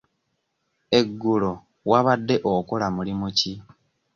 Eggulo wabadde okola mulimu ki?